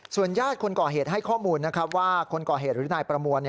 ส่วนญาติคนก่อเหตุให้ข้อมูลว่าคนก่อเหตุหรือหน่ายประมวล